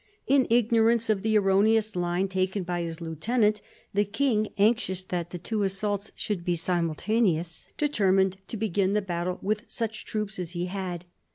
In ignorance of the erroneous line taken by his lieutenant, the king, anxious that the two assaults should be simultaneous, determined to begin the battle with such troops as he had.